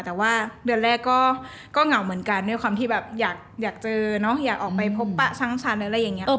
แต่ว่าเดือนแรกก็เหงาเหมือนกันด้วยความที่แบบอยากเจอเนาะอยากออกไปพบปะช่างชั้นอะไรอย่างนี้